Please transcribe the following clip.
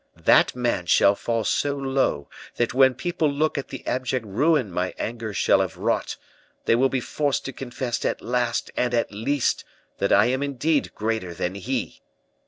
That man shall fall so low that when people look at the abject ruin my anger shall have wrought, they will be forced to confess at last and at least that I am indeed greater than he."